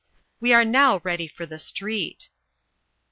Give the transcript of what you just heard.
We are now ready for the street.